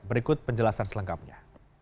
berikut penjelasan selengkapnya